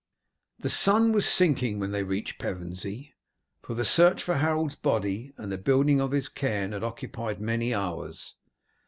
The sun was sinking when they reached Pevensey, for the search for Harold's body and the building of his cairn had occupied many hours.